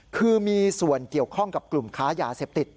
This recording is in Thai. คือมีส่วนเกี่ยวข้องกับกลุ่มค้ายาเสพติด